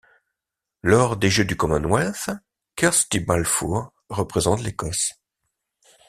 Lors des Jeux du Commonwealth, Kirsty Balfour représente l'Écosse.